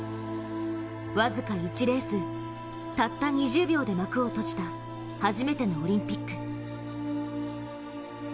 僅か１レースたった２０秒で幕を閉じた初めてのオリンピック。